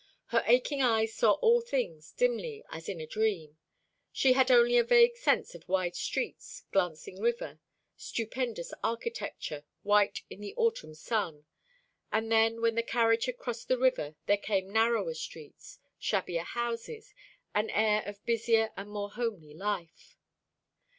Her aching eyes saw all things dimly, as in a dream. She had only a vague sense of wide streets, glancing river, stupendous architecture, white in the autumn sun: and then when the carriage had crossed the river there came narrower streets, shabbier houses, an air of busier and more homely life.